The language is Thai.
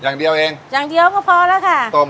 อย่างเดียวก็พอแล้วค่ะ